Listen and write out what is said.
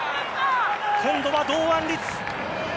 今度は堂安律。